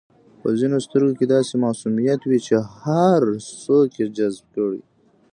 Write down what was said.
په ځینو سترګو کې داسې معصومیت وي چې هر څوک یې جذب کړي.